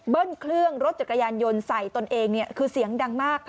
เครื่องรถจักรยานยนต์ใส่ตนเองคือเสียงดังมาก